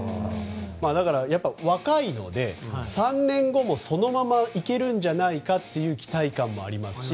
やっぱり若いので３年後もそのまま行けるんじゃないかという期待感もありますし。